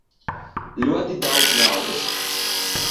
Ļoti daudz naudas.